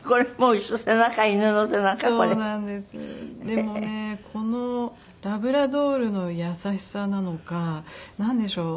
でもねこのラブラドールの優しさなのかなんでしょう